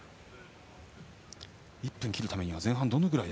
１分切るためには前半どのぐらいで。